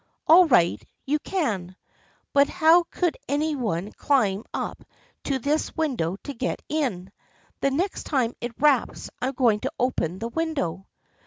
" All right, you can. But how could any one climb up to this window to get in ? The next time it raps I am going to open the window."